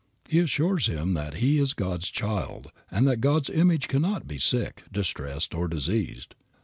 He assures him that He is God's child, and that God's image cannot be sick, distressed or diseased.